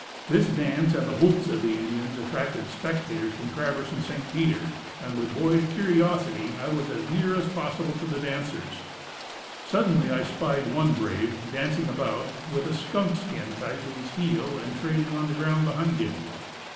This dance and the whoops of the Indians attracted spectators from Traverse and St. Peter; and with boyish curiosity, I was as near as possible to the dancers. Suddenly I spied one brave, dancing about, with a skunk skin tied to his heel and trailing on the ground behind him.